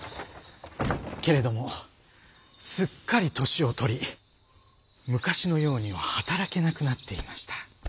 けれどもすっかり年をとり昔のようには働けなくなっていました。